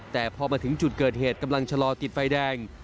แต่พอมาถึงจุดเกิดเหตุกำลังชะลอติดไฟแดง